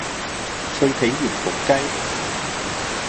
脆皮鹽焗鷄